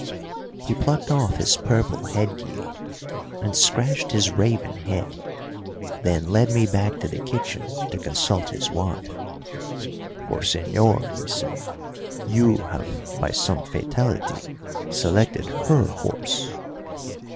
He plucked off his purple headgear and scratched his raven head, then led me back to the kitchen to consult his wife, "For, señor," he said, "you have, by some fatality, selected her horse."